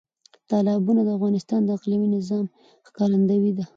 تالابونه د افغانستان د اقلیمي نظام ښکارندوی ده.